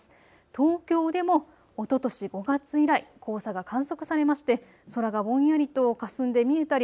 東京でもおととし５月以来、黄砂が観測されまして空がぼんやりとかすんで見えたり